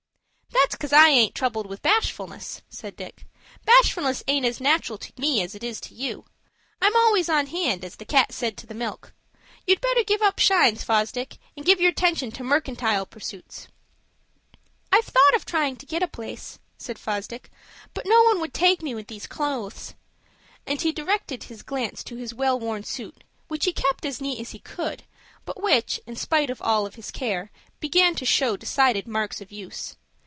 "That's cause I aint troubled with bashfulness," said Dick. "Bashfulness aint as natural to me as it is to you. I'm always on hand, as the cat said to the milk. You'd better give up shines, Fosdick, and give your 'tention to mercantile pursuits." "I've thought of trying to get a place," said Fosdick; "but no one would take me with these clothes;" and he directed his glance to his well worn suit, which he kept as neat as he could, but which, in spite of all his care, began to show decided marks of use.